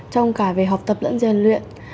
trong cả về học tập lẫn dền luyện